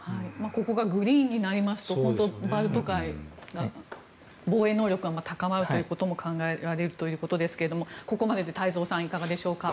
ここがグリーンになりますとバルト三国の防衛能力が高まるということも考えられるということですがここまでで太蔵さんいかがでしょうか？